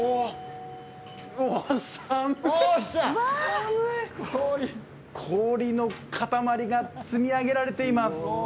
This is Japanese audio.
うわっ寒い寒い氷の塊が積み上げられています